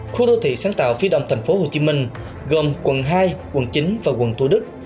khu đô thị sáng tạo phía đông tp hcm gồm quận hai quận chín và quận thu đức